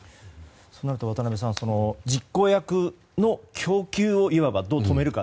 そうなると渡辺さん実行役の供給をいわばどう止めるか。